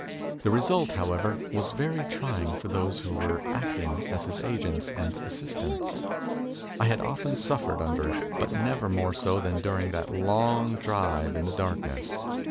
The result, however, was very trying for those who were acting as his agents and assistants. I had often suffered under it, but never more so than during that long drive in the darkness.